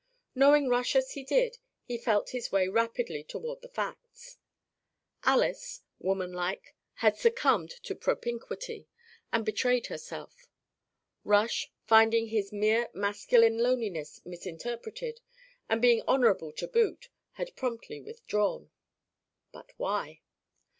Knowing Rush as he did, he felt his way rapidly toward the facts. Alys, woman like, had succumbed to propinquity, and betrayed herself; Rush, finding his mere masculine loneliness misinterpreted, and being honourable to boot, had promptly withdrawn. But why?